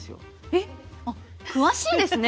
えっ詳しいですね。